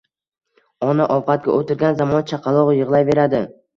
Ona ovqatga o’tirgan zamon chaqaloq yig’layveradi.